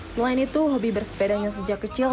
selain itu hobi bersepedanya sejak kecil